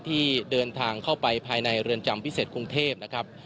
ที่เดินทางเข้าไปภายในเรือนจำพิเศษกรุงเทพนะครับ